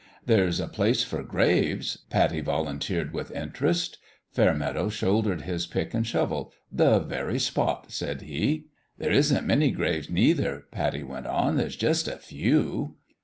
"There's a place for graves," Pattie volun teered, with interest. Fairmeadow shouldered his pick and shovel. " The very spot 1 " said he. "There isn't many graves, neither," Pattie went on ; "there's jus' a few."